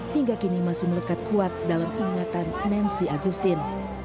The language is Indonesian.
hingga kini masih melekat kuat dalam ingatan nancy agustin